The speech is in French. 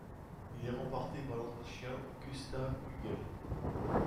Il est remporté par l'Autrichien Gustav Hügel.